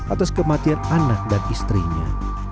atas kematian anak dan istrinya